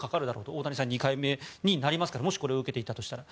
大谷さん、２回目になりますからもしこれを受けていたとしたら。